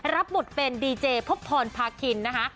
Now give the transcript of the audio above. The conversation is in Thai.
รับบทเป็นดีเจพบพรพาคินนะคะ